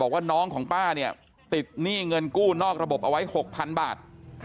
ว่าน้องของป้าเนี่ยติดหนี้เงินกู้นอกระบบเอาไว้๖๐๐๐บาท